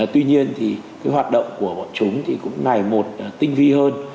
tuy nhiên thì cái hoạt động của bọn chúng thì cũng ngày một tinh vi hơn